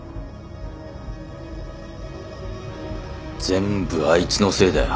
全部あいつのせいだよ。